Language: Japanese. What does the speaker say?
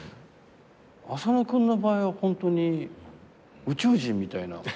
浅野君の場合はホントに宇宙人みたいな。